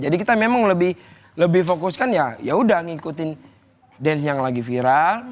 jadi kita memang lebih fokuskan ya udah ngikutin dance yang lagi viral